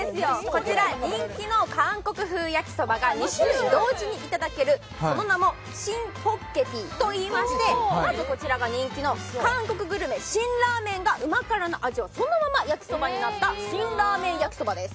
こちら、人気の韓国風焼きそばが２種類同時にいただけるその名も辛ポッゲティといいましてなんとこちらが人気の韓国グルメ辛ラーメンがうま辛の味、そのまま焼そばになった辛やきそばです。